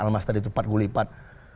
pada almas tadi pat guli pat